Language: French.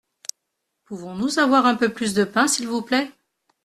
Pouvons-nous avoir un peu plus de pain s’il vous plait ?